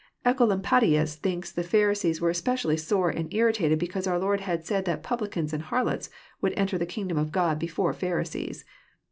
1 70 EXPOsrroET thoughts. Ecolampadins thinks the Pharisees were especially sore and Irritated because our Lord bad said that <' publicans and harlots would enter the kingdom of God before Pharisees.